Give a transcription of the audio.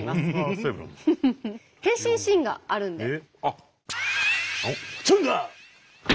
変身シーンがあるんで。